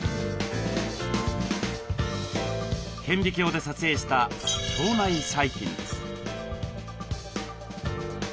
顕微鏡で撮影した腸内細菌です。